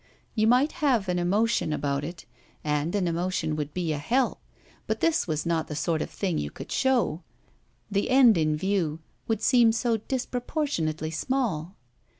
You might have an emotion about it, and an emotion that would be a help, but this was not the sort of thing you could show the end in view would seem so disproportionately small.